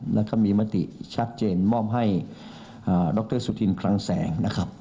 แล้วก็มีมติชัดเจนมอบให้ดรสุธินคลังแสงนะครับ